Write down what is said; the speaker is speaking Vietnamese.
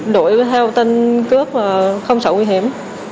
rồi đuổi theo tên cướp không sợ nguy hiểm